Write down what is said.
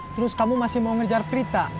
terus kamu masih mau ngejar prita